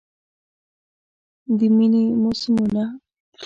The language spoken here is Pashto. د میینې موسمونه